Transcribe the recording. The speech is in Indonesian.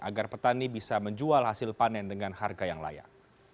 agar petani bisa menjual hasil panen dengan harga yang layak